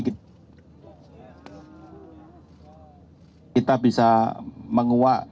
kita bisa menguak